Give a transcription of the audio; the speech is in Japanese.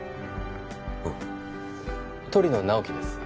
おう鳥野直木です